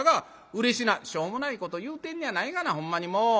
「しょうもないこと言うてんのやないがなほんまにもう。